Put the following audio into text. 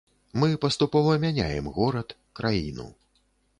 Мы паступова мяняем горад, краіну.